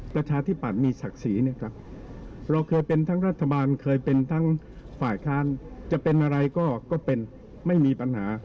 ประชาธิปัตย์มีศักดิ์ศรีเนี่ยครับเราเคยเป็นทั้งรัฐบาลเคยเป็นทั้งฝ่ายค้านจะเป็นอะไรก็เป็นไม่มีปัญหา